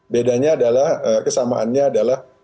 bedanya adalah kesamaannya adalah